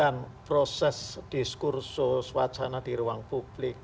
dengan proses diskursus wacana di ruang publik